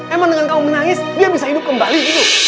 emang dengan kamu menangis dia bisa hidup kembali gitu